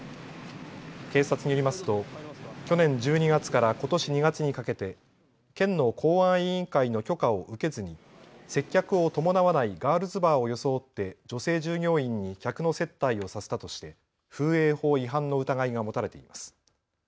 警察によりますと去年１２月からことし２月にかけて県の公安委員会の許可を受けずに接客を伴わないガールズバーを装って女性従業員に客の接待をさせたとして風営法違反の疑いが持たれています。